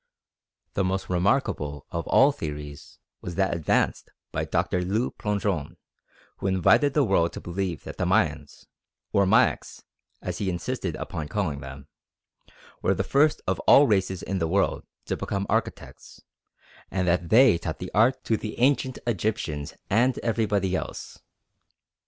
The most remarkable of all theories was that advanced by Dr. Le Plongeon, who invited the world to believe that the Mayans or Mayax, as he insisted upon calling them were the first of all races in the world to become architects, and that they taught the art to the ancient Egyptians and everybody else.